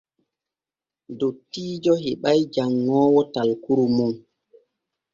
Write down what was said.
Dottiijo heɓay janŋoowo talkuru mum.